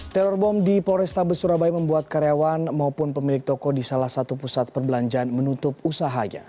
teror bom di polrestabes surabaya membuat karyawan maupun pemilik toko di salah satu pusat perbelanjaan menutup usahanya